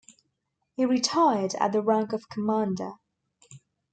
He retired at the rank of Commander.